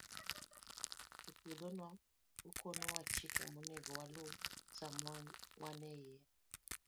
E puodhono, okonowa chike monego waluw sama wan e iye.